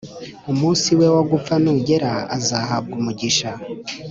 umunsi we wo gupfa nugera, azahabwa umugisha